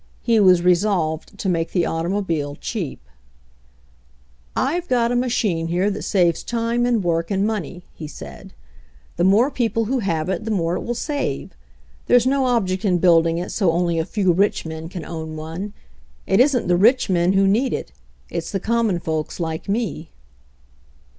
He was resolved to make the automobile cheap. "I've got a machine here that saves time and work and money," he said. "The more people who have it the more it will save. There's no object in building it so only a few rich men can own one. It isn't the rich men who need it; it's the common folks like me."